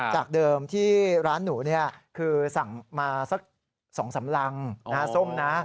จากเดิมที่ร้านหนูคือสั่งมาสัก๒๓รังส้มนะ